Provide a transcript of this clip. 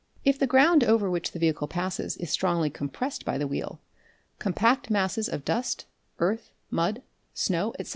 If the ground over which the vehicle passes is strongly compressed by the wheel, compact masses of dust, earth, mud, snow, etc.